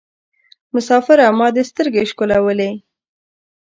مسافره ما دي سترګي شکولولې